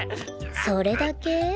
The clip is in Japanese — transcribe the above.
それだけ？